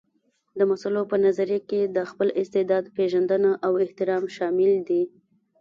د مسلو په نظريه کې د خپل استعداد پېژندنه او احترام شامل دي.